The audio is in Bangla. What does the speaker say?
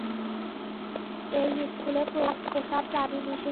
এই স্কুলে পোষা প্রাণী নিষিদ্ধ!